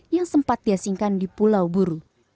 yang sempat diasingkan di pulau buru